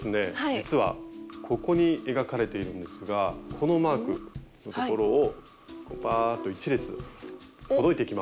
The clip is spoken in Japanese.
実はここに描かれているんですがこのマークのところをバアーッと１列ほどいていきます。